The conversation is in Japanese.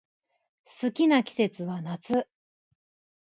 好きな季節は夏